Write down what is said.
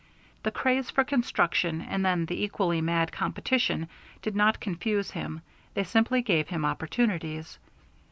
The craze for construction and then the equally mad competition did not confuse him, they simply gave him opportunities.